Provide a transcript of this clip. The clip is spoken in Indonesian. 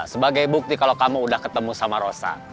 sebagai bukti kalau kamu udah ketemu sama rosa